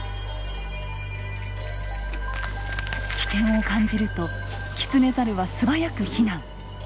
危険を感じるとキツネザルは素早く避難。